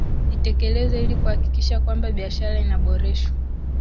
Itekelezwe ili kuhakikisha kwamba biashara inaboreshwa